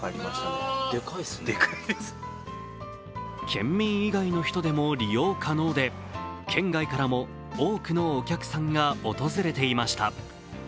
県民以外の人でも利用可能で県外からも多くのお客さんが訪れていました。